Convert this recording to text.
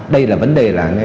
đây là vấn đề là